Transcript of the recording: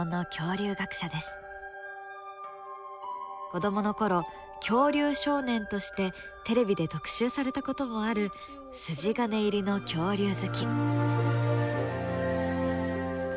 子どもの頃恐竜少年としてテレビで特集されたこともある筋金入りの恐竜好き。